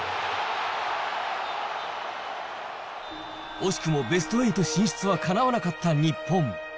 惜しくもベスト８進出はかなわなかった日本。